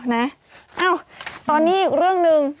เอ้าตอนนี้อีกเรื่องหนึ่ง